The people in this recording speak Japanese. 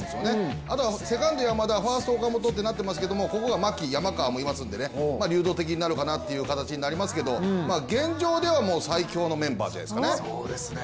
あとセカンド・山田ファースト・岡本となってますけど牧、山川もいますので流動的になるかなと思いますけど現状では最強のメンバーじゃないですかね。